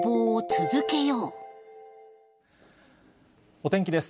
お天気です。